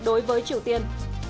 đối với triều tiên